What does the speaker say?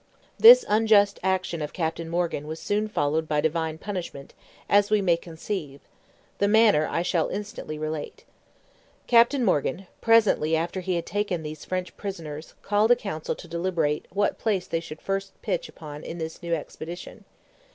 This unjust action of Captain Morgan was soon followed by Divine punishment, as we may conceive: the manner I shall instantly relate. Captain Morgan, presently after he had taken these French prisoners, called a council to deliberate what place they should first pitch upon in this new expedition.